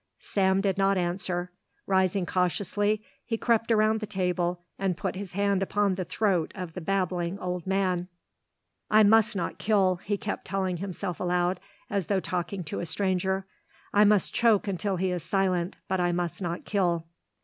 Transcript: Sam did not answer. Rising cautiously, he crept around the table and put his hand upon the throat of the babbling old man. "I must not kill," he kept telling himself aloud, as though talking to a stranger. "I must choke until he is silent, but I must not kill."